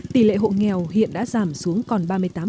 tỷ lệ hộ nghèo hiện đã giảm xuống còn ba mươi tám